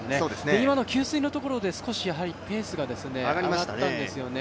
今の給水のところで少しペースが上がったんですよね。